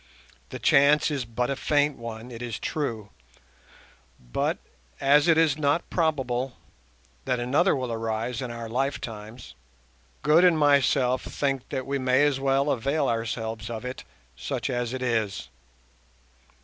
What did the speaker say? The chance is but a faint one, it is true; but, as it is not probable that another will arise in our lifetimes, Good and myself think that we may as well avail ourselves of it, such as it is.